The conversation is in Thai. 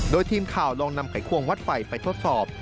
โดยทีมข่าวลองนำไขควงวัดไฟไปทดสอบ